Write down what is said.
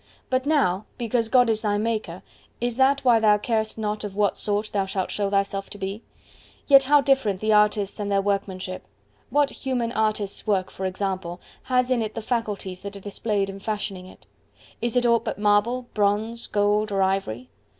But now, because God is thy Maker, is that why thou carest not of what sort thou shalt show thyself to be? Yet how different the artists and their workmanship! What human artist's work, for example, has in it the faculties that are displayed in fashioning it? Is it aught but marble, bronze, gold, or ivory?